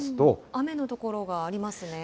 雨の所がありますね。